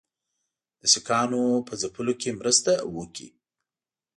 د سیکهانو په ځپلو کې مرسته وکړي.